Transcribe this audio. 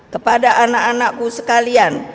kepada anak anakku sekalian